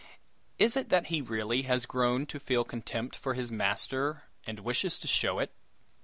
Is it that he really has grown to feel contempt for his master, and wishes to show it?